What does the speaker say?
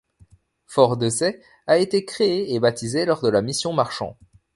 Fort-Desaix a été créée et baptisée lors de la mission Marchand.